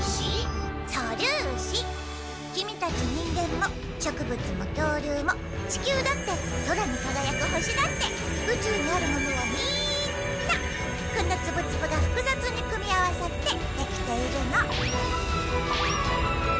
キミたち人間も植物も恐竜も地球だって空にかがやく星だって宇宙にあるものはみんなこのつぶつぶがふくざつに組み合わさってできているの。